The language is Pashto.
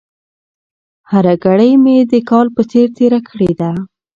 هره ګړۍ مې د کال په څېر تېره کړې ده.